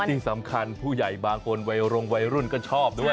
ที่สำคัญผู้ใหญ่บางคนวัยรงวัยรุ่นก็ชอบด้วย